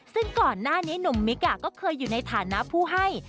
ซึ่งก่อนหน้านี้หนุ่มมิกก็เคยอยู่ในฐานะผู้ให้